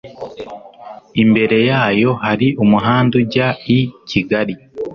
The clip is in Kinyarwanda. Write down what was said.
imbere yayo hari umuhanda ujya i kigali